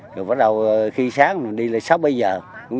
rồi bắt đầu khi sáng mình đi là sáu bảy giờ